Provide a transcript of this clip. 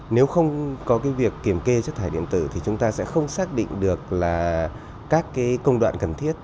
nếu không có việc kiểm kê chất thải điện tử thì chúng ta sẽ không xác định được là các cái công đoạn cần thiết